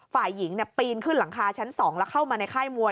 ฝ่ายหญิงปีนขึ้นหลังคาชั้น๒แล้วเข้ามาในค่ายมวย